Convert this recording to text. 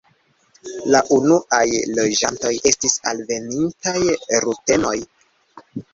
La unuaj loĝantoj estis alvenintaj rutenoj.